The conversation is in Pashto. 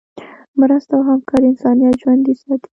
مرسته او همکاري انسانیت ژوندی ساتي.